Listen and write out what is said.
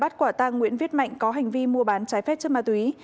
tác quả tăng nguyễn viết mạnh có hành vi mua bán trái phép chứa ma túy